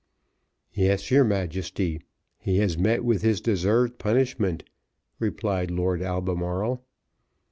"Yes, your Majesty, he has met with his deserved punishment," replied Lord Albemarle.